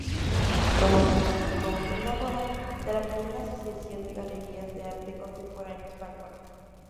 Promotora y cofundadora de la primera Asociación de Galerías de Arte Contemporáneo española.